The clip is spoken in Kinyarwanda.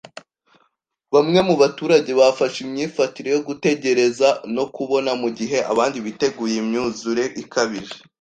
Bamwe mu baturage bafashe imyifatire yo gutegereza no kubona mu gihe abandi biteguye imyuzure ikabije.